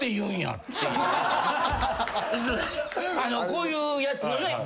こういうやつのね